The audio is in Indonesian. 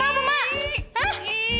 aduh ma aku mau makan